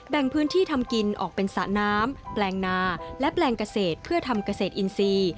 แบ่งพื้นที่ทำกินออกเป็นสระน้ำแปลงนาและแปลงเกษตรเพื่อทำเกษตรอินทรีย์